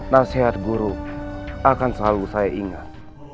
nasihat guru akan selalu saya ingat